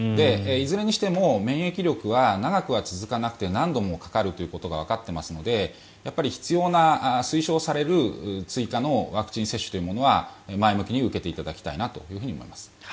いずれにしても免疫力は長くは続かなくて何度もかかるということがわかっていますので必要な、推奨される追加のワクチン接種というものは前向きに受けていただきたいなと思います。